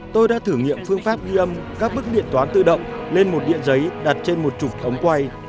tôi đã thử nghiệm phương pháp ghi âm các bức điện toán tự động lên một điện giấy đặt trên một trục ống quay